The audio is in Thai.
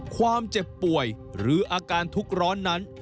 ความเจ็บป่วยหรืออาการทุกข์ร้อนนั้น